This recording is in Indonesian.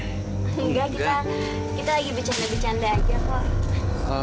enggak kita lagi bercanda bercanda aja pak